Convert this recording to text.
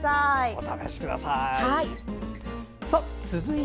お試しください。